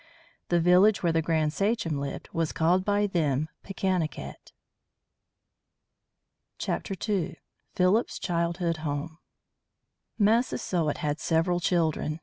The village where the grand sachem lived was called by them Pokanoket. II. PHILIP'S CHILDHOOD HOME Massasoit had several children.